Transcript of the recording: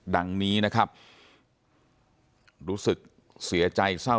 ท่านผู้ชมครับ